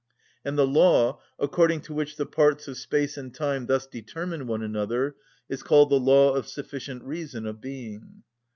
And the law according to which the parts of space and time thus determine one another is called the law of sufficient reason of being.